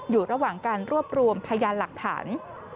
อยู่ระหว่างการรวบรวมพยานหลักฐาน